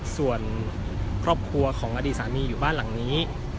ส่วนครอบครัวของอดีตสามีอยู่บ้านหลังนี้